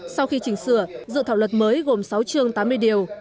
sau khi chỉnh sửa dự thảo luật mới gồm sáu chương tám mươi điều